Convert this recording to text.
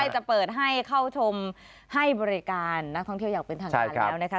จะเปิดให้เข้าชมให้บริการนักท่องเที่ยวอย่างเป็นทางการแล้วนะคะ